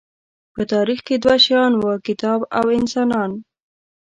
په تاریخ کې دوه شیان وو، کتاب او انسانان.